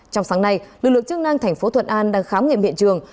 trong sáng nay lực lượng chức năng thành phố thuận an đang khám nghiệm hiện trường